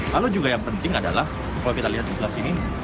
lalu juga yang penting adalah kalau kita lihat di sebelah sini